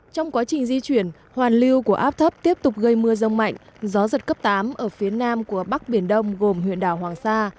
trong quá trình di chuyển hoàn lưu của áp thấp tiếp tục gây mưa rông mạnh gió giật cấp tám ở phía nam của bắc biển đông gồm huyện đảo hoàng sa